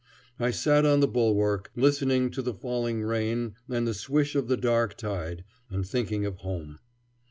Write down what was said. I sat on the bulwark, listening to the falling rain and the swish of the dark tide, and thinking of home.